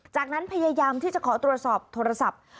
จากนั้นพยายามที่จะขอตรวจสอบโทรศัพท์